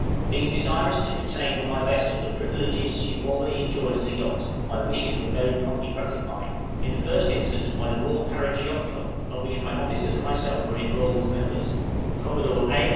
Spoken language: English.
Being desirous to retain for my vessel the privileges she formerly enjoyed as a yacht, my wishes were very promptly gratified; in the first instance by the Royal Harwich Yacht Club, of which my officers and myself were enrolled as members the Commodore, A.